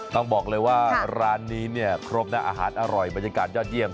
ต้องบอกเลยว่าร้านนี้เนี่ยครบนะอาหารอร่อยบรรยากาศยอดเยี่ยม